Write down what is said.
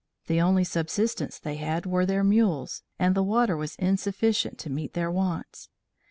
The only subsistence they had were their mules, and the water was insufficient to meet their wants.